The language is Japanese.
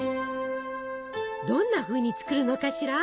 どんなふうに作るのかしら？